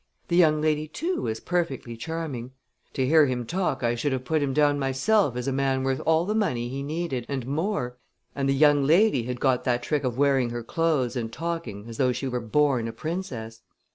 The young lady, too, was perfectly charming. To hear him talk I should have put him down myself as a man worth all the money he needed, and more; and the young lady had got that trick of wearing her clothes and talking as though she were born a princess.